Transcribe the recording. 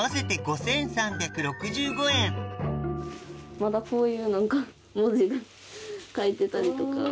まだこういう文字が書いてたりとか。